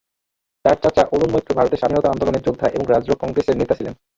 তার চাচা অরুণ মৈত্র ভারতের স্বাধীনতা আন্দোলনের যোদ্ধা এবং রাজ্য কংগ্রেসের নেতা ছিলেন।